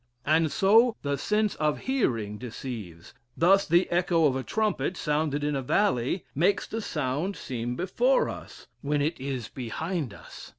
And so the sense of hearing deceives. Thus, the echo of a trumpet, sounded in a valley, makes the sound seem before us, when it is behind us.